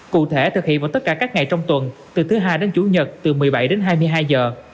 cụ thể thực hiện vào tất cả các ngày trong tuần từ thứ hai đến chủ nhật từ một mươi bảy đến hai mươi hai giờ